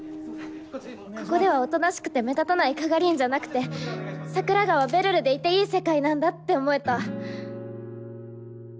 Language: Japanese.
ここではおとなしくて目立たない加賀凛じゃなくて桜川べるるでいていい世界なんだって思えた。